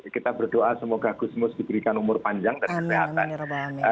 kita berdoa semoga gusmus diberikan umur panjang dan kesehatan